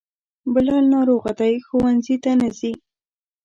بلال ناروغه دی, ښونځي ته نه ځي